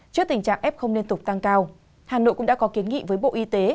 trước tình trạng f liên tục tăng cao hà nội cũng đã có kiến nghị với bộ y tế